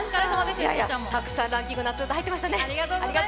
たくさんランキング、夏うたはいってましたね。